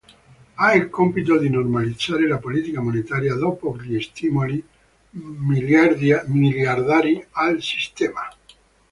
Ha il compito di normalizzare la politica monetaria dopo gli stimoli miliardari al sistema.